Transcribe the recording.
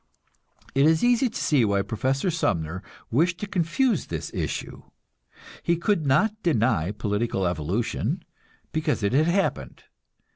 It is easy to see why Professor Sumner wished to confuse this issue. He could not deny political evolution, because it had happened.